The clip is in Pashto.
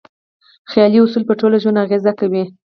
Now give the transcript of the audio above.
خیالي اصول په ټول ژوند اغېزه کوي.